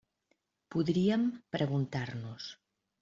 Podríem preguntar-nos.